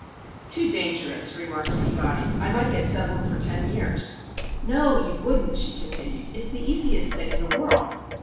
"Too dangerous," remarked Peabody. "I might get settled for ten years." "No, you wouldn't," she continued. "It's the easiest thing in the world.